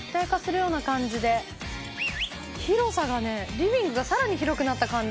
リビングがさらに広くなった感じ